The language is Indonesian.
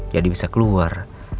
jadi bisa keluar